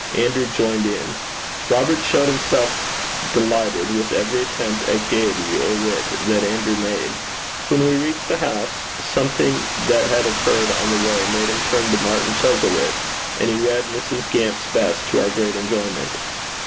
Andrew joined in. Robert showed himself delighted with every attempt at gaiety or wit that Andrew made. When we reached the house, something that had occurred on the way made him turn to Martin Chuzzlewit, and he read Mrs. Gamp's best to our great enjoyment.